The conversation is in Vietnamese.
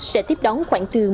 sẽ tiếp đóng khoảng từ